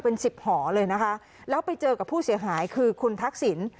เป็นสิบหอเลยนะคะแล้วไปเจอกับผู้เสียหายคือคุณทักษิณ